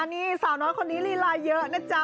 นี่สาวน้อยคนนี้ลีลาเยอะนะจ๊ะ